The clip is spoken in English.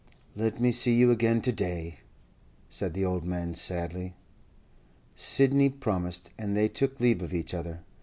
'Let me see you again to day,' said the old man sadly. Sidney promised, and they took leave of each other.